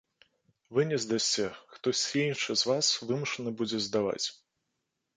Вы не здасце, хтосьці іншы за вас вымушаны будзе здаваць.